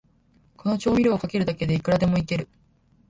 この調味料をかけるだけで、いくらでもイケる